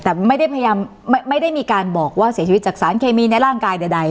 แต่ไม่ได้มีการบอกว่าเสียชีวิตจากสารเคมีในร่างกายใด